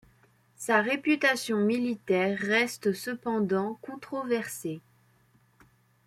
Sa réputation militaire reste cependant controversée.